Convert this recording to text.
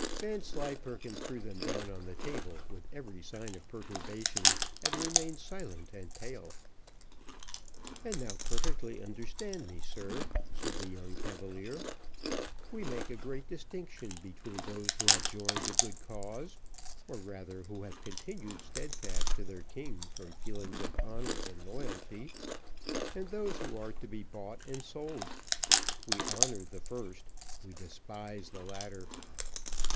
Vanslyperken threw them down on the table with every sign of perturbation, and remained silent and pale. "And now perfectly understand me, sir," said the young cavalier. "We make a great distinction between those who have joined the good cause, or rather, who have continued steadfast to their king from feelings of honour and loyalty, and those who are to be bought and sold. We honour the first, we despise the latter.